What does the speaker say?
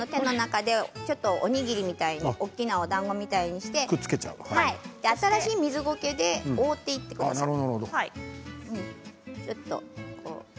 おにぎりみたいにだんごみたいにして新しい水ゴケで覆っていってください。